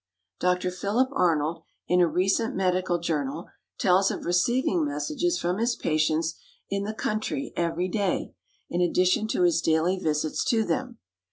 Dr. Philip Arnold, in a recent medical journal, tells of receiving messages from his patients in the country every day, in addition to his daily visits to them.